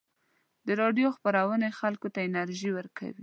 د راډیو خپرونې خلکو ته انرژي ورکوي.